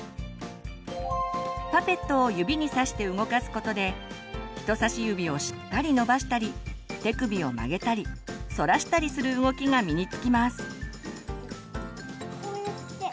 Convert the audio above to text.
パペットを指にさして動かすことで人さし指をしっかり伸ばしたり手首を曲げたりそらしたりする動きが身に付きます。